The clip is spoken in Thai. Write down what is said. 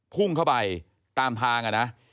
พุ่งเข้าไปตามทางนะ